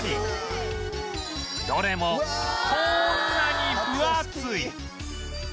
どれもこんなに分厚い！